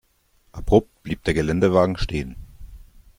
Abrupt blieb der Geländewagen stehen.